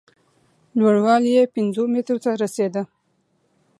لوړوالی یې پینځو مترو ته رسېده.